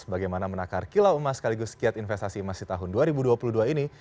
bagaimana menakar kilau emas sekaligus kiat investasi emas di tahun dua ribu dua puluh dua ini